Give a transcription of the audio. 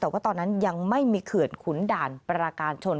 แต่ว่าตอนนั้นยังไม่มีเขื่อนขุนด่านปราการชน